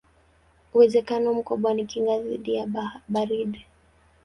Uwezekano mkubwa ni kinga dhidi ya baridi.